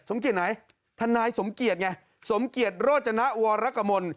เกียจไหนทนายสมเกียจไงสมเกียจโรจนะวรกมล